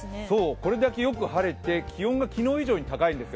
これだけよく晴れて気温が昨日以上に高いんですよ。